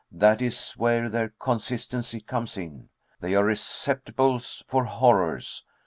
That is where their consistency comes in. They are receptacles for horrors.